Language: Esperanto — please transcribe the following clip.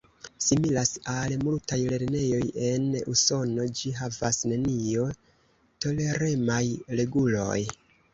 Similas al multaj lernejoj en usono, ĝi havas nenio-toleremaj reguloj.